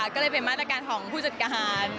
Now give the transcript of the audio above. ก็เลยเป็นมาตรการของผู้จัดการ